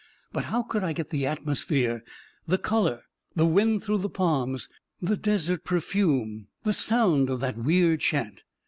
But how could I get the atmosphere, the color, the wind through the palms, the desert perfume, the sound of that weird chant?